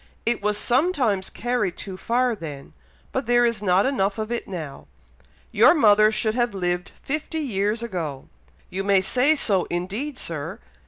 "It was sometimes carried too far then, but there is not enough of it now. Your mother should have lived fifty years ago." "You may say so, indeed, Sir!